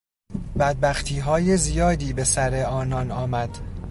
بدبختیهای زیادی به سر آنان آمد.